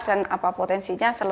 dan apa potensinya